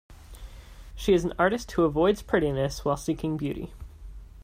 She is an artist who avoids prettiness while seeking beauty.